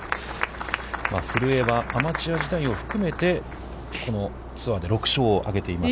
古江はアマチュア時代を含めて、このツアーで６勝を上げています。